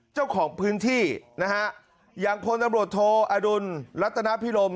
เจ้าของพื้นที่นะฮะอย่างพลตำรวจโทอดุลรัตนพิรม